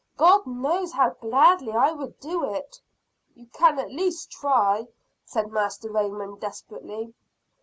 God knows how gladly I would do it." "You can at least try," said Master Raymond desperately.